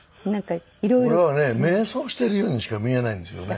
俺はね瞑想してるようにしか見えないんですよね。